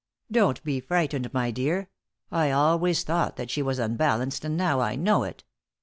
"Don't be frightened, my dear! I always thought that she was unbalanced, and now I know it.